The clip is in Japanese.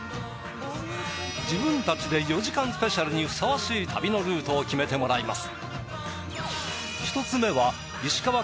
自分たちで４時間スペシャルにふさわしい旅のルートを決めてもらいます。